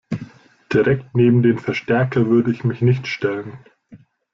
Direkt neben den Verstärker würde ich mich nicht stellen.